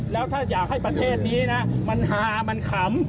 แล้วถ้าอยากให้ประเทศนี้นะมันฮามันขำ